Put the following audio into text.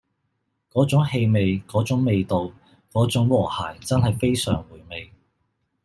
嗰種氣味嗰種味道嗰種和諧真係非常回味